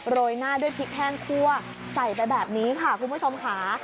ยหน้าด้วยพริกแห้งคั่วใส่ไปแบบนี้ค่ะคุณผู้ชมค่ะ